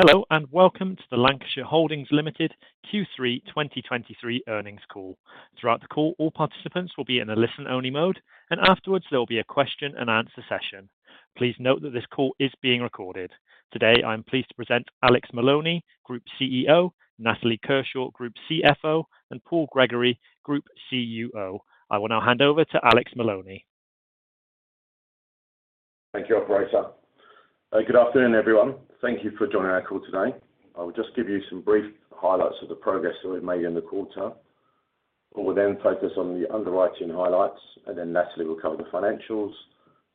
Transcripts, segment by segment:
Hello, and welcome to the Lancashire Holdings Limited Q3 2023 earnings call. Throughout the call, all participants will be in a listen-only mode, and afterwards, there will be a question-and-answer session. Please note that this call is being recorded. Today, I am pleased to present Alex Maloney, Group CEO, Natalie Kershaw, Group CFO, and Paul Gregory, Group CUO. I will now hand over to Alex Maloney. Thank you, operator. Good afternoon, everyone. Thank you for joining our call today. I will just give you some brief highlights of the progress that we've made in the quarter. I will then focus on the underwriting highlights, and then Natalie will cover the financials,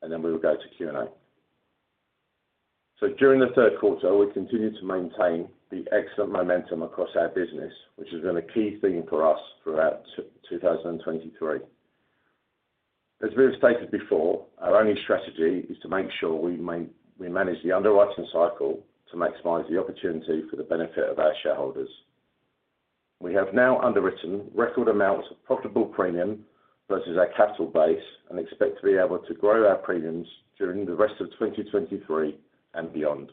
and then we will go to Q&A. So during the third quarter, we continued to maintain the excellent momentum across our business, which has been a key theme for us throughout 2023. As we have stated before, our only strategy is to make sure we manage the underwriting cycle to maximize the opportunity for the benefit of our shareholders. We have now underwritten record amounts of profitable premium versus our capital base and expect to be able to grow our premiums during the rest of 2023 and beyond.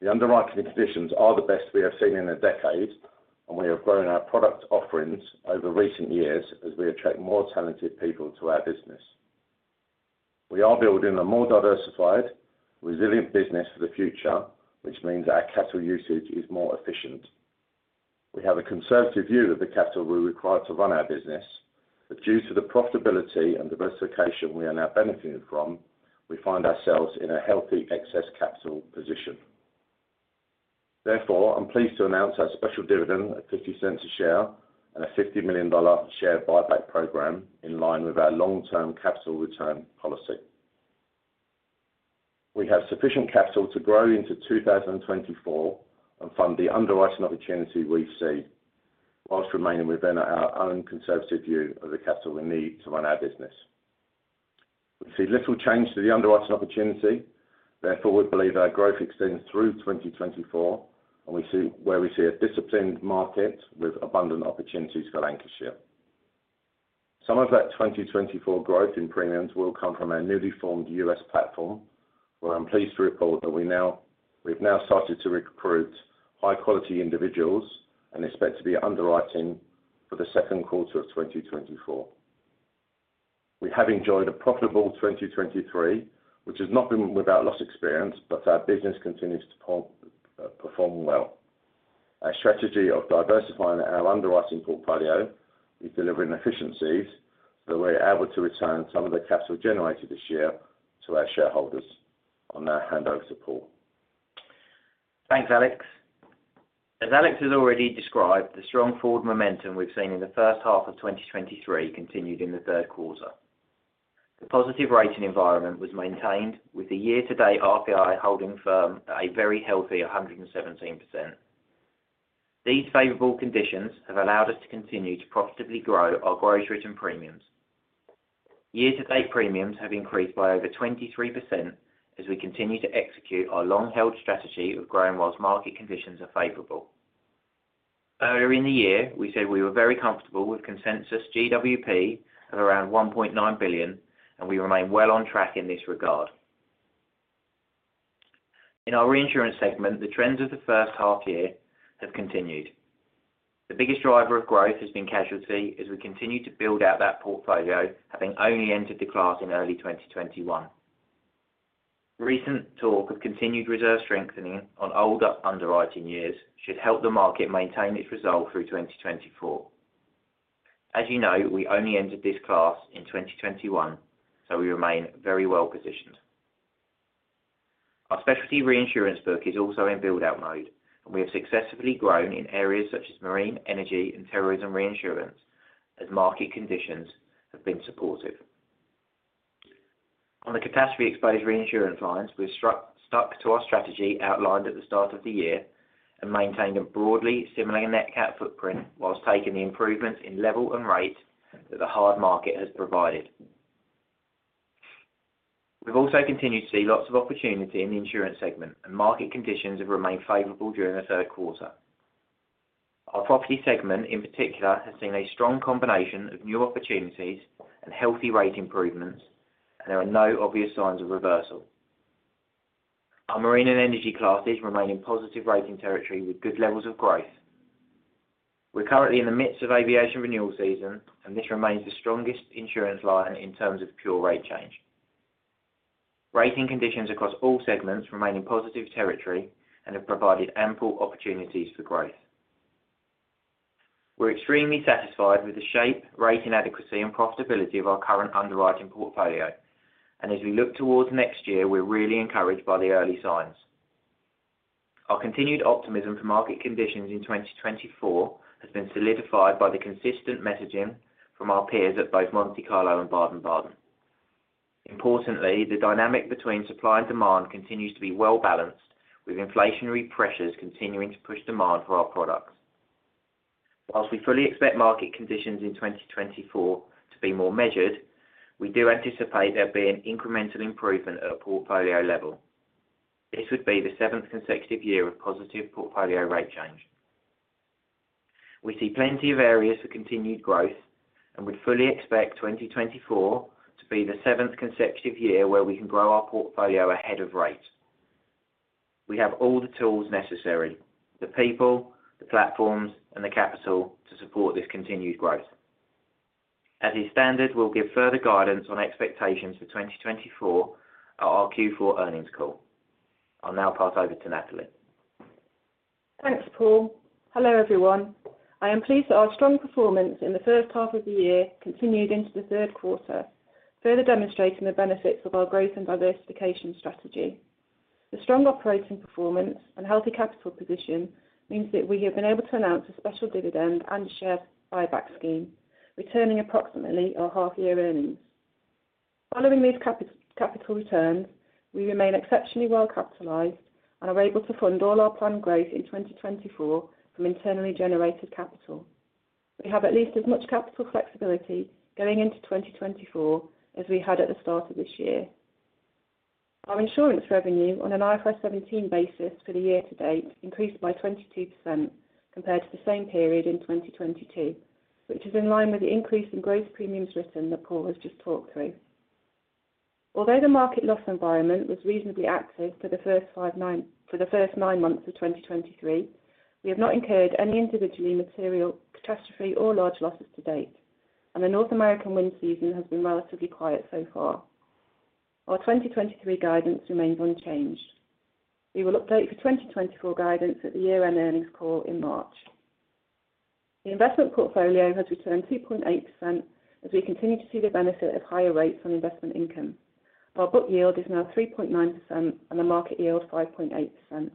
The underwriting conditions are the best we have seen in a decade, and we have grown our product offerings over recent years as we attract more talented people to our business. We are building a more diversified, resilient business for the future, which means our capital usage is more efficient. We have a conservative view of the capital we require to run our business, but due to the profitability and diversification we are now benefiting from, we find ourselves in a healthy excess capital position. Therefore, I'm pleased to announce our special dividend of $0.50 a share and a $50 million share buyback program in line with our long-term capital return policy. We have sufficient capital to grow into 2024 and fund the underwriting opportunity we see, whilst remaining within our own conservative view of the capital we need to run our business. We see little change to the underwriting opportunity. Therefore, we believe our growth extends through 2024, and we see a disciplined market with abundant opportunities for Lancashire. Some of that 2024 growth in premiums will come from our newly formed U.S. platform, where I'm pleased to report that we've now started to recruit high-quality individuals and expect to be underwriting for the second quarter of 2024. We have enjoyed a profitable 2023, which has not been without loss experience, but our business continues to perform well. Our strategy of diversifying our underwriting portfolio is delivering efficiencies, so we're able to return some of the capital generated this year to our shareholders. I'll now hand over to Paul. Thanks, Alex. As Alex has already described, the strong forward momentum we've seen in the first half of 2023 continued in the third quarter. The positive rating environment was maintained with the year-to-date RPI holding firm at a very healthy 117%. These favorable conditions have allowed us to continue to profitably grow our gross written premiums. Year-to-date premiums have increased by over 23% as we continue to execute our long-held strategy of growing whilst market conditions are favorable. Earlier in the year, we said we were very comfortable with consensus GWP of around $1.9 billion, and we remain well on track in this regard. In our reinsurance segment, the trends of the first half year have continued. The biggest driver of growth has been casualty as we continue to build out that portfolio, having only entered the class in early 2021. Recent talk of continued reserve strengthening on older underwriting years should help the market maintain its resolve through 2024. As you know, we only entered this class in 2021, so we remain very well positioned. Our specialty reinsurance book is also in build-out mode, and we have successfully grown in areas such as marine, energy, and terrorism reinsurance as market conditions have been supportive. On the catastrophe exposed reinsurance lines, we've stuck to our strategy outlined at the start of the year and maintained a broadly similar net cat footprint while taking the improvements in level and rate that the hard market has provided. We've also continued to see lots of opportunity in the insurance segment, and market conditions have remained favorable during the third quarter. Our property segment, in particular, has seen a strong combination of new opportunities and healthy rate improvements, and there are no obvious signs of reversal. Our marine and energy classes remain in positive rating territory with good levels of growth. We're currently in the midst of aviation renewal season, and this remains the strongest insurance line in terms of pure rate change. Rating conditions across all segments remain in positive territory and have provided ample opportunities for growth. We're extremely satisfied with the shape, rating, adequacy, and profitability of our current underwriting portfolio, and as we look towards next year, we're really encouraged by the early signs. Our continued optimism for market conditions in 2024 has been solidified by the consistent messaging from our peers at both Monte Carlo and Baden-Baden. Importantly, the dynamic between supply and demand continues to be well-balanced, with inflationary pressures continuing to push demand for our products. While we fully expect market conditions in 2024 to be more measured, we do anticipate there'll be an incremental improvement at a portfolio level. This would be the seventh consecutive year of positive portfolio rate change. We see plenty of areas for continued growth, and we fully expect 2024 to be the seventh consecutive year where we can grow our portfolio ahead of rate. We have all the tools necessary, the people, the platforms, and the capital to support this continued growth. As is standard, we'll give further guidance on expectations for 2024 at our Q4 earnings call. I'll now pass over to Natalie. Thanks, Paul. Hello, everyone. I am pleased that our strong performance in the first half of the year continued into the third quarter, further demonstrating the benefits of our growth and diversification strategy. The strong operating performance and healthy capital position means that we have been able to announce a special dividend and share buyback scheme, returning approximately our half-year earnings. Following these capital returns, we remain exceptionally well capitalized and are able to fund all our planned growth in 2024 from internally generated capital. We have at least as much capital flexibility going into 2024 as we had at the start of this year. Our insurance revenue on an IFRS 17 basis for the year to date increased by 22% compared to the same period in 2022, which is in line with the increase in gross premiums written that Paul has just talked through. Although the market loss environment was reasonably active for the first nine months of 2023, we have not incurred any individually material catastrophe or large losses to date, and the North American wind season has been relatively quiet so far. Our 2023 guidance remains unchanged. We will update for 2024 guidance at the year-end earnings call in March. The investment portfolio has returned 2.8% as we continue to see the benefit of higher rates on investment income. Our book yield is now 3.9% and the market yield, 5.8%. The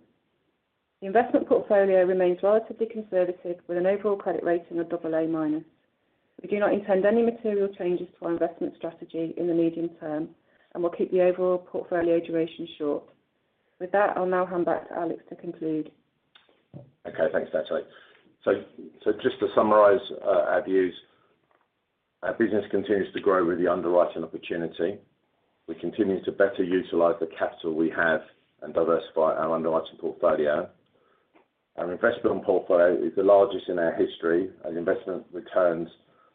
investment portfolio remains relatively conservative, with an overall credit rating of AA-. We do not intend any material changes to our investment strategy in the medium term, and we'll keep the overall portfolio duration short. With that, I'll now hand back to Alex to conclude. Okay, thanks, Natalie. So just to summarize, our views, our business continues to grow with the underwriting opportunity. We continue to better utilize the capital we have and diversify our underwriting portfolio. Our investment portfolio is the largest in our history, and investment returns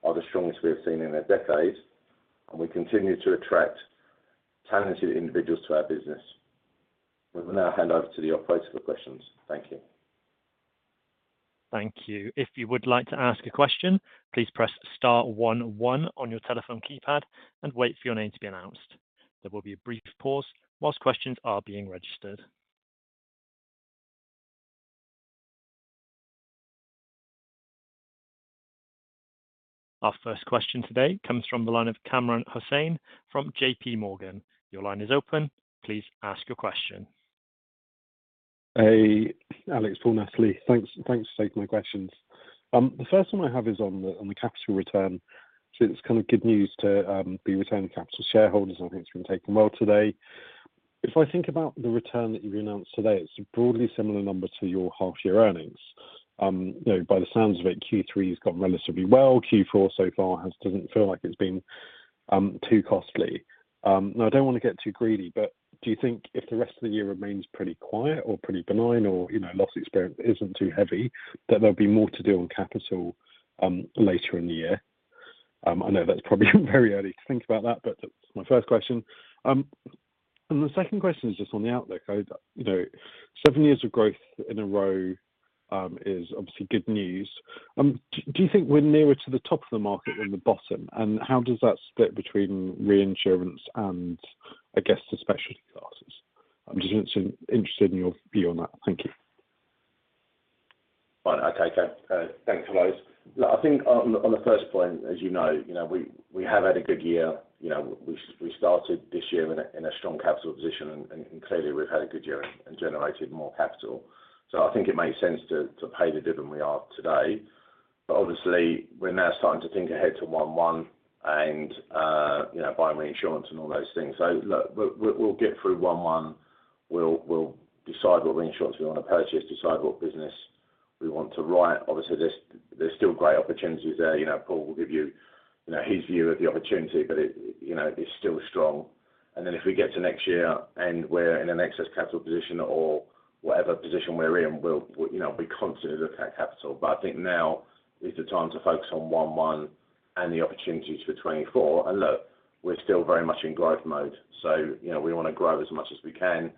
are the strongest we have seen in decades, and we continue to attract talented individuals to our business. We will now hand over to the operator for questions. Thank you. Thank you. If you would like to ask a question, please press star one one on your telephone keypad and wait for your name to be announced. There will be a brief pause whilst questions are being registered. Our first question today comes from the line of Kamran Hossain from JPMorgan. Your line is open. Please ask your question. Hey, Alex, Paul, Natalie. Thanks, thanks for taking my questions. The first one I have is on the, on the capital return. So it's kind of good news to be returning capital to shareholders, and I think it's been taken well today. If I think about the return that you've announced today, it's a broadly similar number to your half year earnings. You know, by the sounds of it, Q3 has gone relatively well. Q4 so far hasn't felt like it's been too costly. Now, I don't want to get too greedy, but do you think if the rest of the year remains pretty quiet or pretty benign or, you know, loss experience isn't too heavy, that there'll be more to do on capital later in the year? I know that's probably very early to think about that, but that's my first question. And the second question is just on the outlook. You know, seven years of growth in a row is obviously good news. Do you think we're nearer to the top of the market or the bottom? And how does that split between reinsurance and, I guess, the specialty classes? I'm just interested in your view on that. Thank you. Well, okay, thanks for those. I think on, on the first point, as you know, you know, we, we have had a good year. You know, we, we started this year in a, in a strong capital position, and, and clearly, we've had a good year and generated more capital. So I think it makes sense to, to pay the dividend we are today. But obviously, we're now starting to think ahead to 1/1 and, you know, buy reinsurance and all those things. So look, we'll, we'll get through 1/1. We'll, we'll decide what reinsurance we want to purchase, decide what business we want to write. Obviously, there's, there's still great opportunities there. You know, Paul will give you, you know, his view of the opportunity, but it, you know, it's still strong. Then if we get to next year and we're in an excess capital position or whatever position we're in, we'll, you know, we constantly look at capital. But I think now is the time to focus on 1/1 and the opportunities for 2024. And look, we're still very much in growth mode, so, you know, we want to grow as much as we can.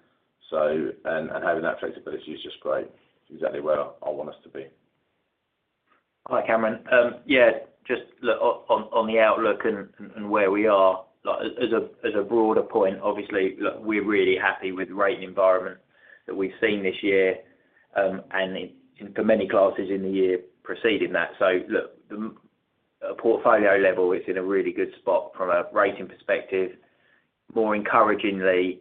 So, having that flexibility is just great. It's exactly where I want us to be. Hi, Kamran. Yeah, just look on the outlook and where we are. Like, as a broader point, obviously, look, we're really happy with the rating environment that we've seen this year, and for many classes in the year preceding that. So look, the portfolio level is in a really good spot from a rating perspective. More encouragingly,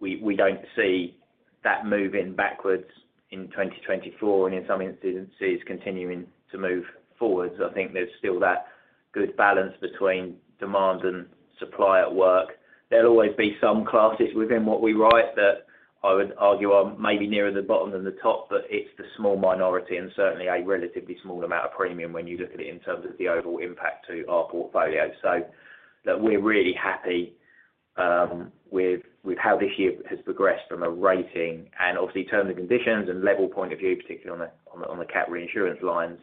we don't see that moving backwards in 2024, and in some instances, continuing to move forwards. I think there's still that good balance between demand and supply at work. There'll always be some classes within what we write that I would argue are maybe nearer the bottom than the top, but it's the small minority and certainly a relatively small amount of premium when you look at it in terms of the overall impact to our portfolio. So look, we're really happy. with how this year has progressed from a rating and obviously terms and conditions and level point of view, particularly on the cat reinsurance lines.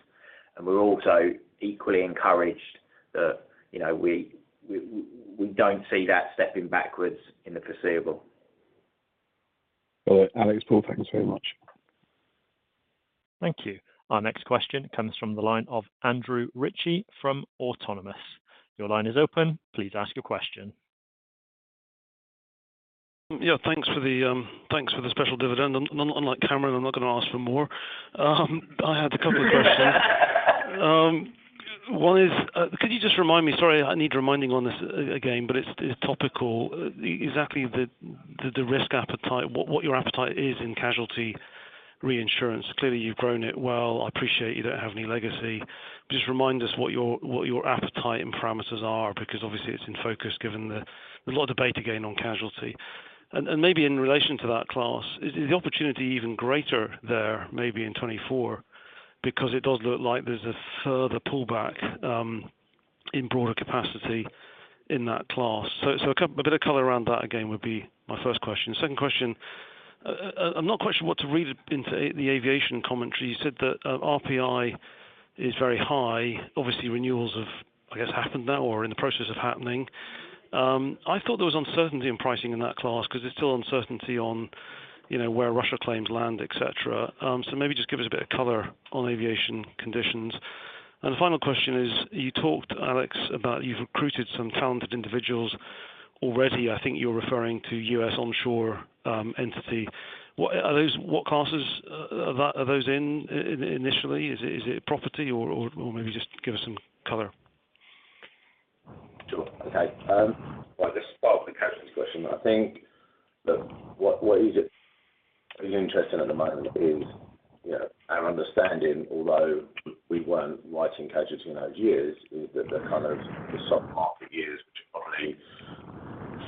And we're also equally encouraged that, you know, we don't see that stepping backwards in the foreseeable. All right. Alex, Paul, thanks very much. Thank you. Our next question comes from the line of Andrew Ritchie from Autonomous. Your line is open. Please ask your question. Yeah, thanks for the, thanks for the special dividend. And unlike Kamran, I'm not going to ask for more. I had a couple of questions. One is, could you just remind me, sorry, I need reminding on this again, but it's topical. Exactly the risk appetite, what your appetite is in casualty reinsurance. Clearly, you've grown it well. I appreciate you don't have any legacy. Just remind us what your appetite and parameters are, because obviously it's in focus given a lot of debate again on casualty. And maybe in relation to that class, is the opportunity even greater there, maybe in 2024, because it does look like there's a further pullback in broader capacity in that class. So a bit of color around that, again, would be my first question. Second question. I'm not quite sure what to read into the aviation commentary. You said that, RPI is very high. Obviously, renewals have, I guess, happened now or in the process of happening. I thought there was uncertainty in pricing in that class because there's still uncertainty on, you know, where Russia claims land, et cetera. So maybe just give us a bit of color on aviation conditions. And the final question is, you talked, Alex, about you've recruited some talented individuals already. I think you're referring to U.S. onshore entity. What are those. What classes are those in initially? Is it property or maybe just give us some color? Sure. Okay. I'll just start with the casualty question. I think that what is interesting at the moment is, you know, our understanding, although we weren't writing casualties in those years, is that the kind of soft market years, which are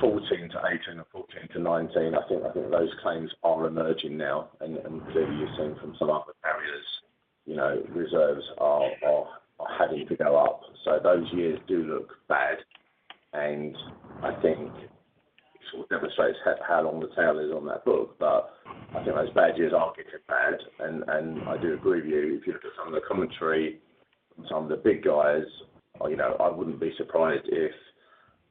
probably 2014-2018 or 2014-2019, I think those claims are emerging now, and clearly you're seeing from some other carriers, you know, reserves are having to go up. So those years do look bad, and I think sort of demonstrates how long the tail is on that book, but I think those bad years are getting bad. I do agree with you, if you look at some of the commentary from some of the big guys, you know, I wouldn't be surprised if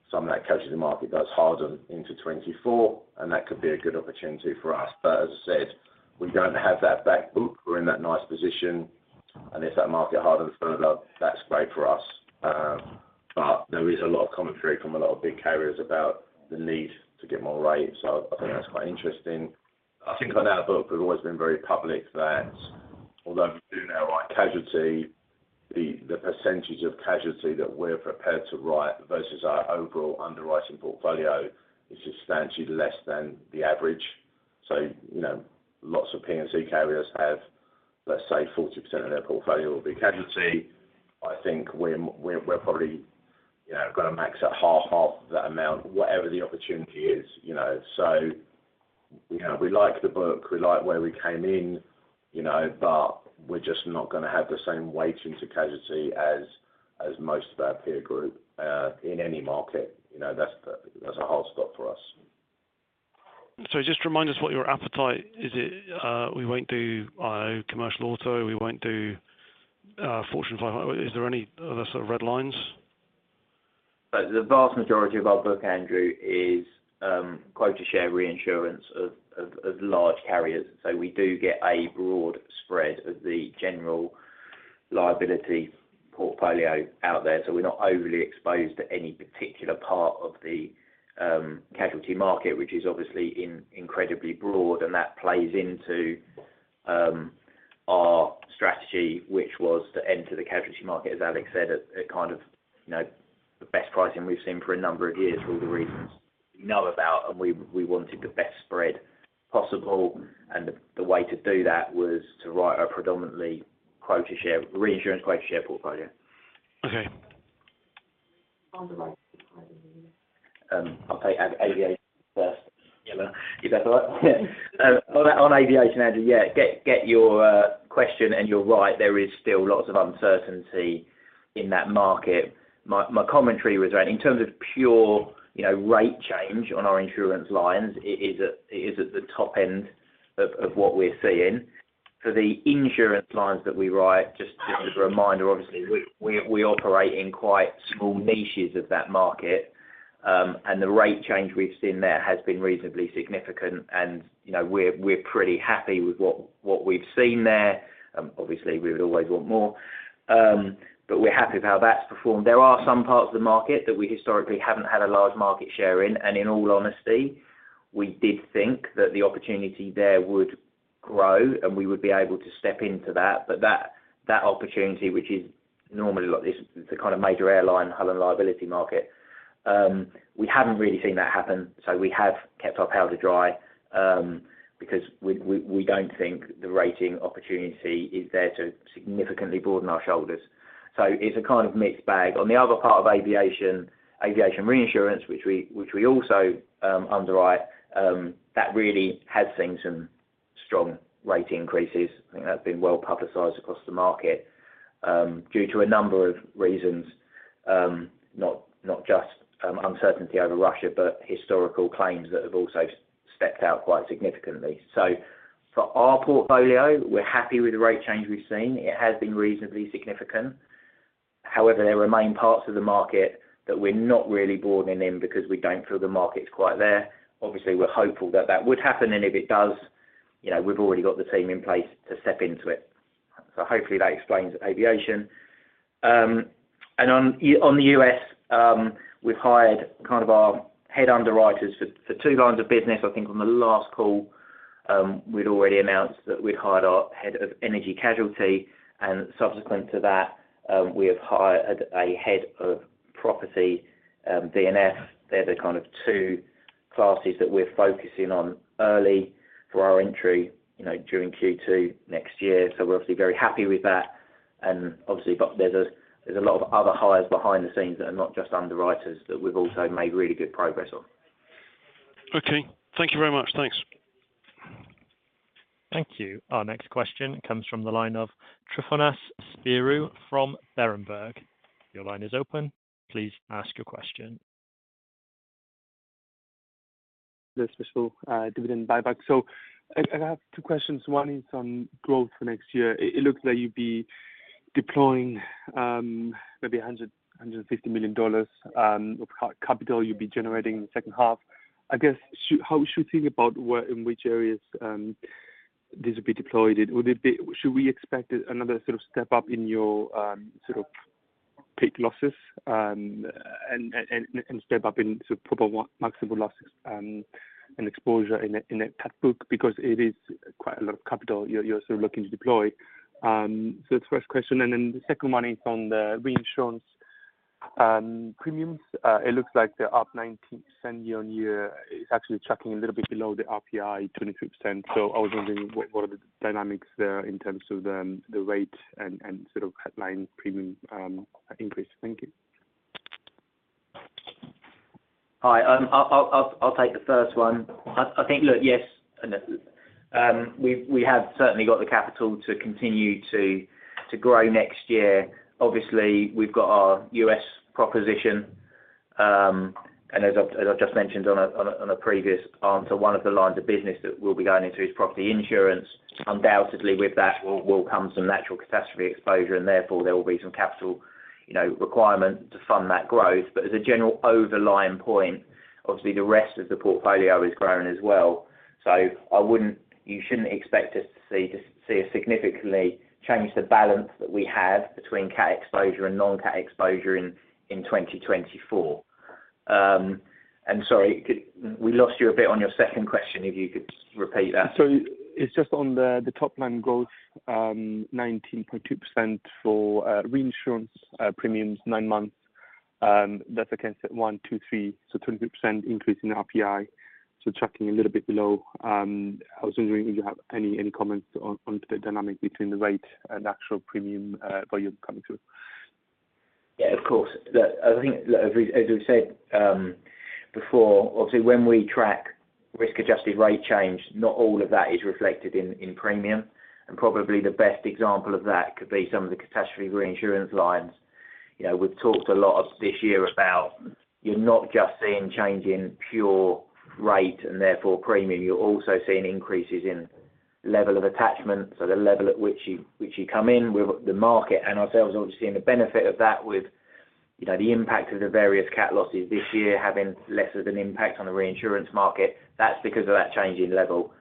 some of that casualty market does harden into 2024, and that could be a good opportunity for us. But as I said, we don't have that back book. We're in that nice position, and if that market hardens further, that's great for us. But there is a lot of commentary from a lot of big carriers about the need to get more rates. So I think that's quite interesting. I think on our book, we've always been very public that although we do now write casualty, the percentage of casualty that we're prepared to write versus our overall underwriting portfolio is substantially less than the average. So you know, lots of P&C carriers have, let's say, 40% of their portfolio will be casualty. I think we're probably, you know, going to max at half that amount, whatever the opportunity is, you know. So, you know, we like the book, we like where we came in, you know, but we're just not going to have the same weight into casualty as most of our peer group in any market. You know, that's a hard stop for us. So just remind us what your appetite is. It, we won't do commercial auto, we won't do Fortune 500. Is there any other sort of red lines? But the vast majority of our book, Andrew, is quota share reinsurance of large carriers. So we do get a broad spread of the general liability portfolio out there. So we're not overly exposed to any particular part of the casualty market, which is obviously incredibly broad, and that plays into our strategy, which was to enter the casualty market, as Alex said, at kind of, you know, the best pricing we've seen for a number of years, for all the reasons we know about. And we wanted the best spread possible, and the way to do that was to write a predominantly quota share, reinsurance quota share portfolio. Okay. On the right. I'll take aviation first. Yeah, is that right? On aviation, Andrew, yeah, get your question, and you're right, there is still lots of uncertainty in that market. My commentary was around in terms of pure, you know, rate change on our insurance lines, it is at the top end of what we're seeing. For the insurance lines that we write, just as a reminder, obviously, we operate in quite small niches of that market, and the rate change we've seen there has been reasonably significant, and, you know, we're pretty happy with what we've seen there. Obviously, we would always want more. But we're happy with how that's performed. There are some parts of the market that we historically haven't had a large market share in, and in all honesty, we did think that the opportunity there would grow, and we would be able to step into that. But that opportunity, which is normally like this, the kind of major airline hull and liability market, we haven't really seen that happen, so we have kept our powder dry, because we don't think the rating opportunity is there to significantly broaden our shoulders. So it's a kind of mixed bag. On the other part of aviation, aviation reinsurance, which we also underwrite, that really has seen strong rate increases. I think that's been well-publicized across the market, due to a number of reasons. Not just uncertainty over Russia, but historical claims that have also stepped out quite significantly. So for our portfolio, we're happy with the rate change we've seen. It has been reasonably significant. However, there remain parts of the market that we're not really boarding in because we don't feel the market's quite there. Obviously, we're hopeful that that would happen, and if it does, you know, we've already got the team in place to step into it. So hopefully that explains aviation. And on the U.S., we've hired kind of our head underwriters for two lines of business. I think on the last call, we'd already announced that we'd hired our head of energy casualty, and subsequent to that, we have hired a head of property, D&F. They're the kind of two classes that we're focusing on early for our entry, you know, during Q2 next year. So we're obviously very happy with that, and obviously, but there's a lot of other hires behind the scenes that are not just underwriters, that we've also made really good progress on. Okay, thank you very much. Thanks. Thank you. Our next question comes from the line of Tryfonas Spyrou from Berenberg. Your line is open. Please ask your question. The special dividend buyback. So I have two questions. One is on growth for next year. It looks like you'd be deploying maybe $100 million-$150 million of capital you'd be generating in the second half. I guess how we should think about where, in which areas, this will be deployed? Would it be. Should we expect another sort of step up in your sort of paid losses, and step up in sort of probable maximum losses, and exposure in a cat book? Because it is quite a lot of capital you're sort of looking to deploy. So the first question, and then the second one is on the reinsurance premiums. It looks like they're up 19% year-on-year. It's actually tracking a little bit below the RPI 25%. So I was wondering what are the dynamics there in terms of the rate and sort of headline premium increase? Thank you. Hi. I'll take the first one. I think, look, yes, we have certainly got the capital to continue to grow next year. Obviously, we've got our U.S. proposition, and as I've just mentioned on a previous answer, one of the lines of business that we'll be going into is property insurance. Undoubtedly, with that will come some natural catastrophe exposure, and therefore there will be some capital, you know, requirement to fund that growth. But as a general overlying point, obviously the rest of the portfolio is growing as well. So I wouldn't. You shouldn't expect to see a significantly change the balance that we have between cat exposure and non-cat exposure in 2024. Sorry, we lost you a bit on your second question, if you could just repeat that. So it's just on the top line growth, 19.2% for reinsurance premiums nine months. That's against 123, so 20% increase in RPI. So tracking a little bit below. I was wondering if you have any comments on the dynamic between the rate and actual premium volume coming through? Yeah, of course. I think, as we said before, obviously, when we track risk-adjusted rate change, not all of that is reflected in premium. And probably the best example of that could be some of the catastrophe reinsurance lines. You know, we've talked a lot this year about you're not just seeing change in pure rate and therefore premium, you're also seeing increases in level of attachment, so the level at which you come in with the market. And ourselves, obviously, seeing the benefit of that with, you know, the impact of the various cat losses this year having less of an impact on the reinsurance market. That's because of that change in level.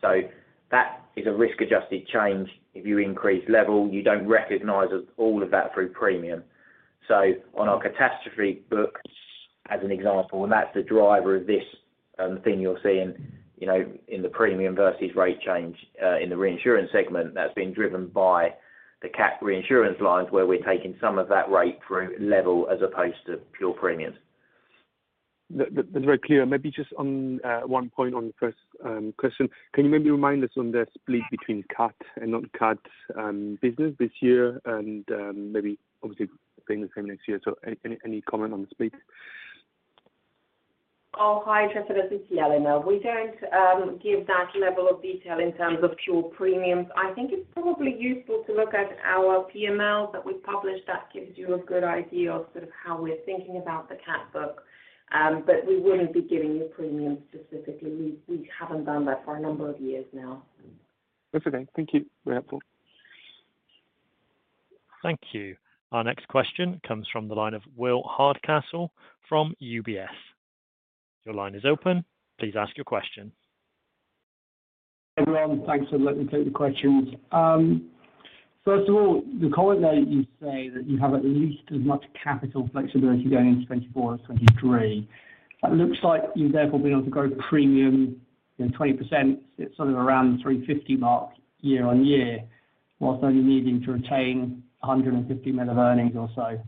So that is a risk-adjusted change. If you increase level, you don't recognize all of that through premium. So on our catastrophe book, as an example, and that's the driver of this thing you're seeing, you know, in the premium versus rate change, in the reinsurance segment, that's been driven by the cat reinsurance lines, where we're taking some of that rate through level as opposed to pure premiums. That's very clear. Maybe just on one point on the first question. Can you maybe remind us on the split between cat and non-cat business this year and maybe obviously being the same next year? So any comment on the split? Oh, hi, Tryfonas, it's Jelena. We don't give that level of detail in terms of pure premiums. I think it's probably useful to look at our PML that we've published that gives you a good idea of sort of how we're thinking about the cat book. But we wouldn't be giving you premiums specifically. We haven't done that for a number of years now. Okay, thank you. Very helpful. Thank you. Our next question comes from the line of Will Hardcastle from UBS. Your line is open. Please ask your question. Everyone, thanks for letting me take the questions. First of all, the current note, you say that you have at least as much capital flexibility going into 2024 as 2023. That looks like you've therefore been able to grow premium in 20%. It's sort of around $350 million mark year-on-year, while only needing to retain $150 million of earnings or so.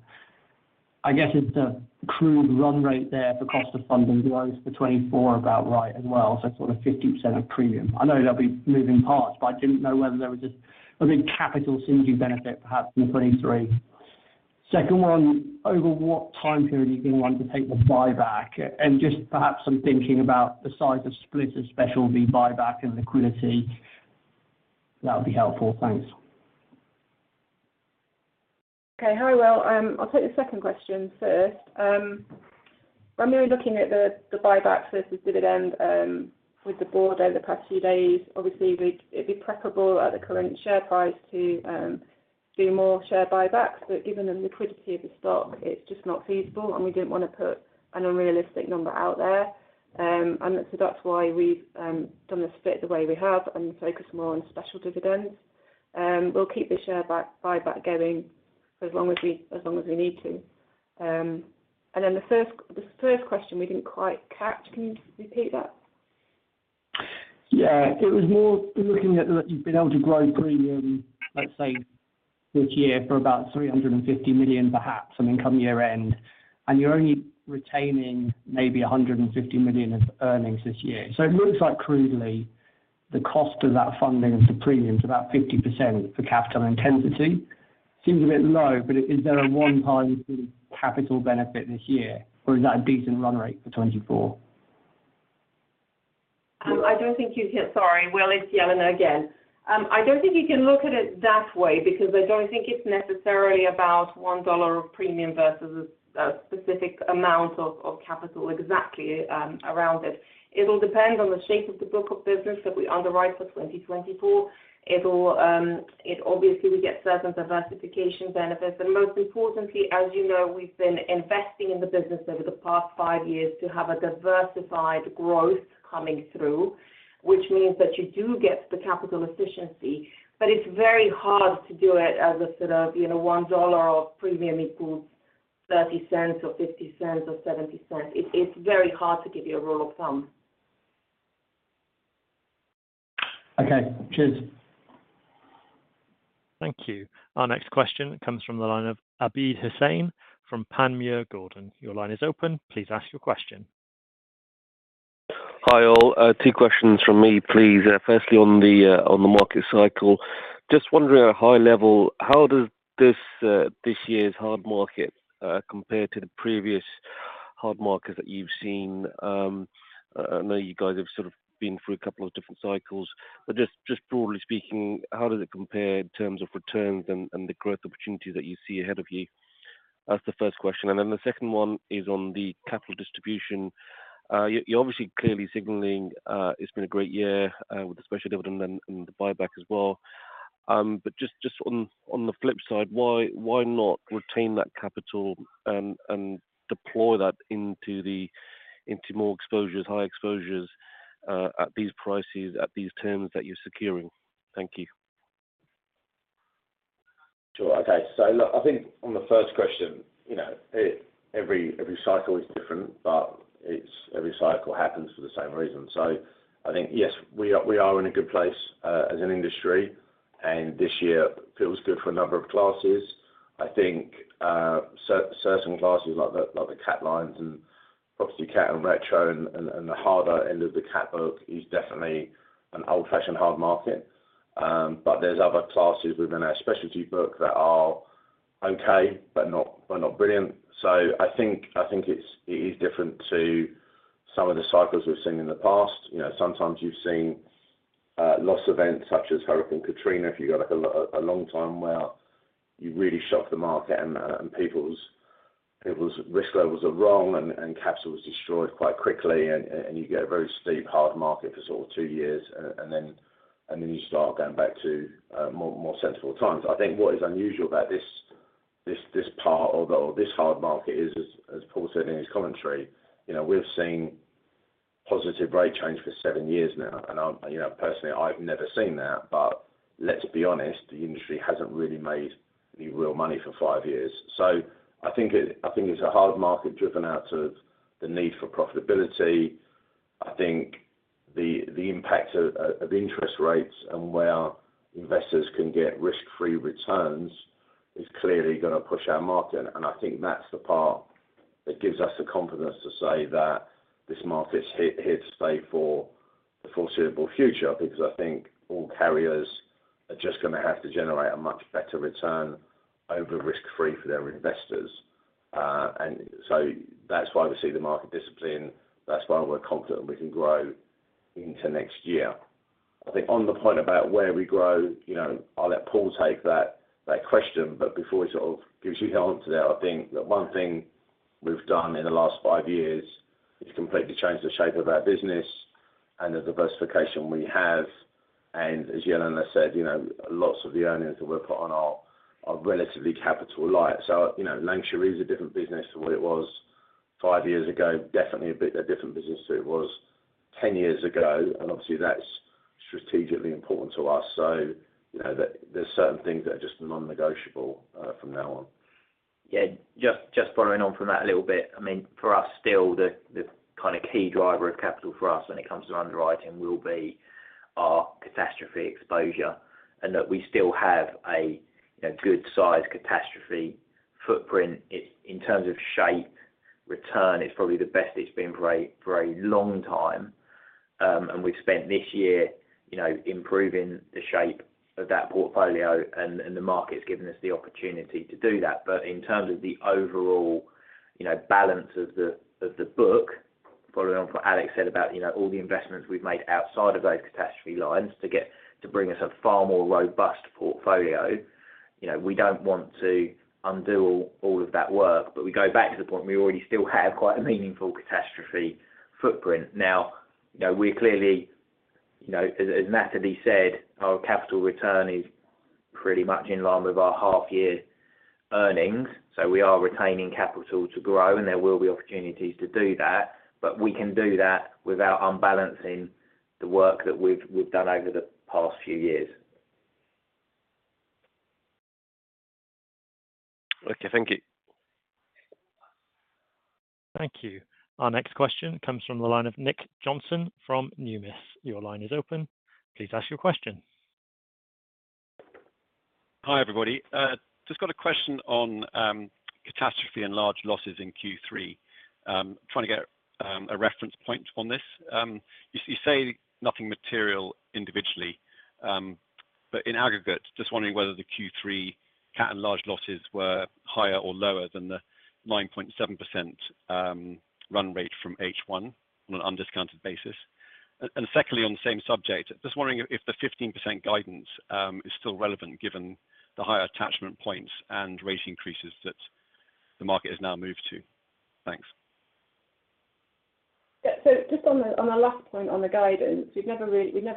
I guess it's the crude run rate there for cost of funding for 2024 about right as well, so sort of 50% of premium. I know there'll be moving parts, but I didn't know whether there was a, a big capital synergy benefit, perhaps in 2023. Second one, over what time period are you going to want to take the buyback? And just perhaps some thinking about the size of split of specialty buyback and liquidity, that would be helpful. Thanks. Okay. Hi, Will. I'll take the second question first. When we were looking at the buyback versus dividend with the board over the past few days, obviously, we'd, it'd be preferable at the current share price to do more share buybacks. But given the liquidity of the stock, it's just not feasible, and we didn't want to put an unrealistic number out there. And so that's why we've done the split the way we have and focused more on special dividends. We'll keep the share buyback going for as long as we need to. And then the first question we didn't quite catch. Can you repeat that? Yeah. It was more looking at that you've been able to grow premium, let's say this year, for about $350 million, perhaps, and come year-end, and you're only retaining maybe $150 million of earnings this year. So it looks like, crudely, the cost of that funding of the premium is about 50% for capital intensity. Seems a bit low, but is there a one-time capital benefit this year, or is that a decent run rate for 2024? Sorry, Will, it's Jelena again. I don't think you can look at it that way because I don't think it's necessarily about $1 of premium versus a specific amount of capital exactly around it. It'll depend on the shape of the book of business that we underwrite for 2024. It'll obviously we get certain diversification benefits, but most importantly, as you know, we've been investing in the business over the past five years to have a diversified growth coming through, which means that you do get the capital efficiency. But it's very hard to do it as a sort of, you know, $1 of premium equals $0.30 or $0.50 or $0.70. It's very hard to give you a rule of thumb. Okay, cheers. Thank you. Our next question comes from the line of Abid Hussain from Panmure Gordon. Your line is open. Please ask your question. Hi, all. Two questions from me, please. Firstly, on the market cycle. Just wondering at a high level, how does this year's hard market compare to the previous hard market that you've seen? I know you guys have sort of been through a couple of different cycles, but just, just broadly speaking, how does it compare in terms of returns and the growth opportunity that you see ahead of you? That's the first question. And then the second one is on the capital distribution. You're obviously clearly signaling it's been a great year with the special dividend and the buyback as well. But just on the flip side, why not retain that capital and deploy that into more exposures, high exposures, at these prices, at these terms that you're securing? Thank you. Sure. Okay. So look, I think on the first question, you know, every cycle is different, but every cycle happens for the same reason. So I think, yes, we are in a good place as an industry, and this year feels good for a number of classes. I think, certain classes like the cat lines and property cat and retro and the harder end of the cat book is definitely an old-fashioned hard market. But there's other classes within our specialty book that are okay, but not brilliant. So I think, it's different to some of the cycles we've seen in the past. You know, sometimes you've seen loss events such as Hurricane Katrina. If you've got a long time where you really shock the market and people's risk levels are wrong and capital was destroyed quite quickly, and you get a very steep, hard market for two years, and then you start going back to more sensible times. I think what is unusual about this part, although this hard market is, as Paul said in his commentary, you know, we've seen positive rate change for seven years now, and I'm, you know, personally, I've never seen that. But let's be honest, the industry hasn't really made any real money for five years. So I think it's a hard market driven out of the need for profitability. I think the impact of interest rates and where investors can get risk-free returns is clearly going to push our market. I think that's the part that gives us the confidence to say that this market's here to stay for the foreseeable future, because I think all carriers are just going to have to generate a much better return over risk-free for their investors. And so that's why we see the market discipline. That's why we're confident we can grow into next year. I think on the point about where we grow, you know, I'll let Paul take that question, but before he sort of gives you the answer to that, I think that one thing we've done in the last five years is completely changed the shape of our business and the diversification we have. As Jelena said, you know, lots of the earnings that we're put on are relatively capital light. So, you know, Lancashire is a different business than what it was five years ago, definitely a bit a different business than it was 10 years ago. Obviously, that's strategically important to us. So you know, there's certain things that are just non-negotiable from now on. Yeah, just following on from that a little bit. I mean, for us, still, the kind of key driver of capital for us when it comes to underwriting will be our catastrophe exposure, and that we still have a good size catastrophe footprint. In terms of shape- return is probably the best it's been for a long time. And we've spent this year, you know, improving the shape of that portfolio, and the market's given us the opportunity to do that. But in terms of the overall, you know, balance of the book, following on what Alex said about, you know, all the investments we've made outside of those catastrophe lines to bring us a far more robust portfolio. You know, we don't want to undo all of that work, but we go back to the point where we already still have quite a meaningful catastrophe footprint. Now, you know, we're clearly, you know, as Natalie said, our capital return is pretty much in line with our half year earnings, so we are retaining capital to grow, and there will be opportunities to do that. But we can do that without unbalancing the work that we've done over the past few years. Okay, thank you. Thank you. Our next question comes from the line of Nick Johnson from Numis. Your line is open. Please ask your question. Hi, everybody. Just got a question on catastrophe and large losses in Q3. Trying to get a reference point on this. You say nothing material individually, but in aggregate, just wondering whether the Q3 cat and large losses were higher or lower than the 9.7% run rate from H1 on an undiscounted basis? And secondly, on the same subject, just wondering if the 15% guidance is still relevant given the higher attachment points and rate increases that the market has now moved to. Thanks. Yeah, so just on the last point on the guidance, we've never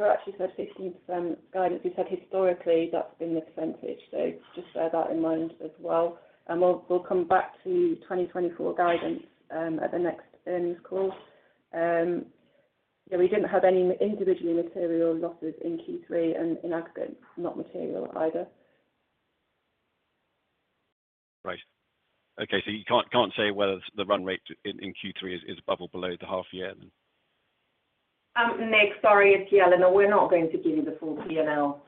actually said 15% guidance. We've said historically, that's been the percentage. So just bear that in mind as well, and we'll come back to 2024 guidance at the next earnings call. Yeah, we didn't have any individually material losses in Q3 and in aggregate, not material either. Right. Okay, so you can't say whether the run rate in Q3 is above or below the half year then? Nick, sorry, it's Jelena. We're not going to give you the full P&L.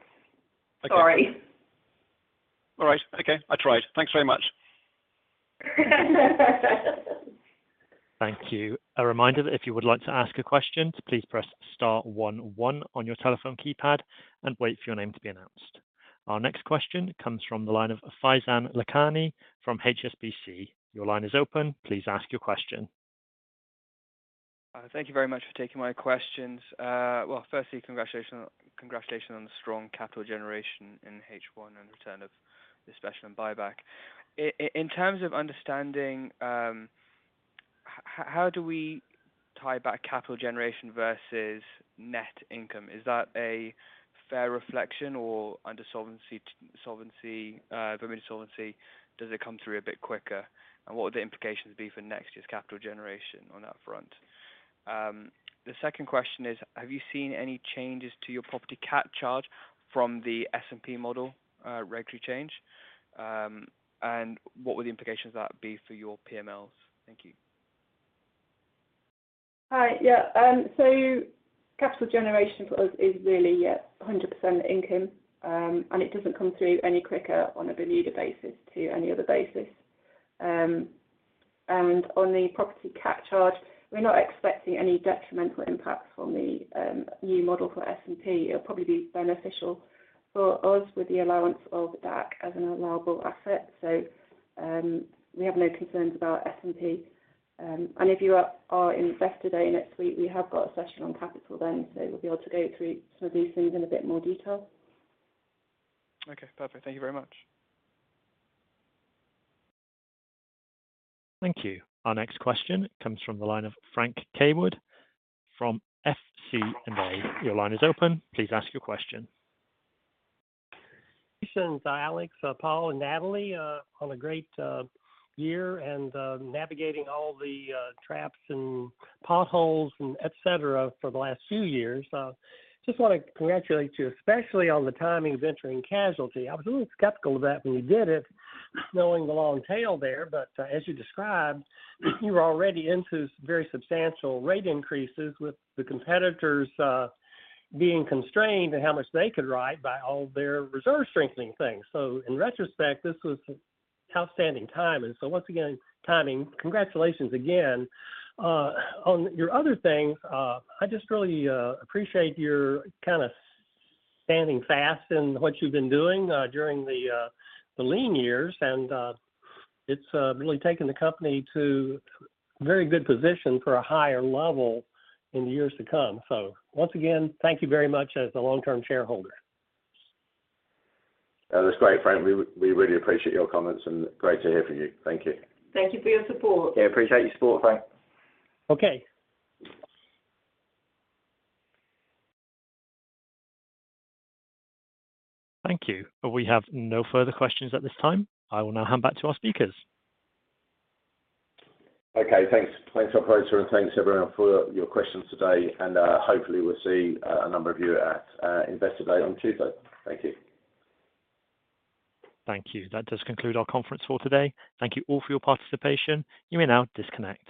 Okay. Sorry. All right. Okay, I tried. Thanks very much. Thank you. A reminder that if you would like to ask a question, please press star one one on your telephone keypad and wait for your name to be announced. Our next question comes from the line of Faizan Lakhani from HSBC. Your line is open. Please ask your question. Thank you very much for taking my questions. Well, firstly, congratulations, congratulations on the strong capital generation in H1 and the return of the special buyback. In terms of understanding, how do we tie back capital generation versus net income? Is that a fair reflection or under solvency, Bermuda solvency, does it come through a bit quicker? And what would the implications be for next year's capital generation on that front? The second question is, have you seen any changes to your property cat charge from the S&P model, regulatory change? And what would the implications of that be for your PMLs? Thank you. Hi. Yeah, so capital generation for us is really, yeah, 100% income, and it doesn't come through any quicker on a Bermuda basis to any other basis. And on the property cat charge, we're not expecting any detrimental impacts from the new model for S&P. It'll probably be beneficial for us with the allowance of DAC as an allowable asset. So, we have no concerns about S&P. And if you are invested today next week, we have got a session on capital then, so we'll be able to go through some of these things in a bit more detail. Okay, perfect. Thank you very much. Thank you. Our next question comes from the line of Frank Cawood from FC&A. Your line is open. Please ask your question. Alex, Paul, and Natalie, on a great year and navigating all the traps and potholes and et cetera, for the last few years. Just want to congratulate you, especially on the timing of entering casualty. I was a little skeptical of that when you did it, knowing the long tail there, but as you described, you're already into very substantial rate increases with the competitors being constrained in how much they could write by all their reserve strengthening things. So in retrospect, this was outstanding timing. So once again, timing. Congratulations again. On your other things, I just really appreciate your kind of standing fast in what you've been doing during the lean years and it's really taken the company to a very good position for a higher level in the years to come. So once again, thank you very much as a long-term shareholder. That's great, Frank. We really appreciate your comments and great to hear from you. Thank you. Thank you for your support. Yeah, appreciate your support, Frank. Okay. Thank you. Well, we have no further questions at this time. I will now hand back to our speakers. Okay, thanks. Thanks, operator, and thanks, everyone, for your questions today, and hopefully we'll see a number of you at Investor Day on Tuesday. Thank you. Thank you. That does conclude our conference call today. Thank you all for your participation. You may now disconnect.